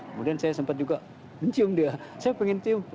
kemudian saya sempat juga mencium dia saya pengen cium